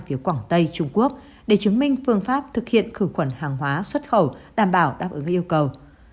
phía quảng tây trung quốc để chứng minh phương pháp thực hiện khử khuẩn hàng hóa xuất khẩu đảm bảo đáp ứng yêu cầu